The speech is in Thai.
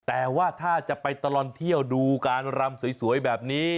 แต่ว่าถ้าจะไปตลอดเที่ยวดูการรำสวยแบบนี้